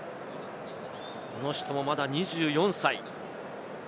この人もまだ２４歳。